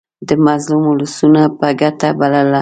د مظلومو اولسونو په ګټه بلله.